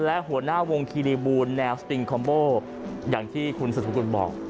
และหัวหน้าวงคีรีบูลแนวสติงคอมโบอย่างที่คุณสุดสกุลบอก